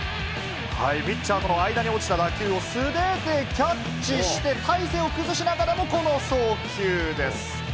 ピッチャーとの間に落ちた打球を素手でキャッチして、体勢を崩しながらも、この送球です。